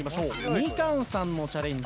みかんさんのチャレンジ。